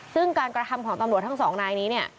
ซึ่งการกระทำของตำรวจทั้งสองนายนี้เนี่ย